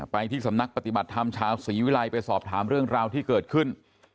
ที่สำนักปฏิบัติธรรมชาวศรีวิลัยไปสอบถามเรื่องราวที่เกิดขึ้น